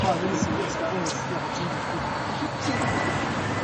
sana ni moja kati ya lugha nne za